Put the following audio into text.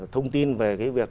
thông tin về việc